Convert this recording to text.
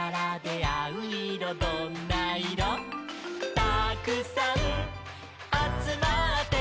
「たくさんあつまって」